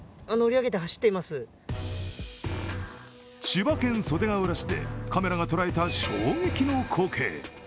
千葉県袖ケ浦市でカメラが捉えた衝撃の光景。